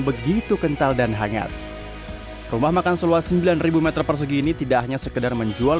begitu kental dan hangat rumah makan seluas sembilan ribu meter persegi ini tidak hanya sekedar menjual